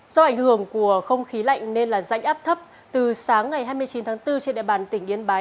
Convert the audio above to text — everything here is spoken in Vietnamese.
do ảnh hưởng của không khí lạnh nên là rãnh áp thấp từ sáng ngày hai mươi chín tháng bốn trên địa bàn tỉnh yên bái